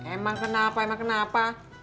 emang kenapa emang kenapa